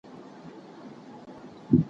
د هري پیښي تر شا عوامل په دقیق ډول وڅېړئ.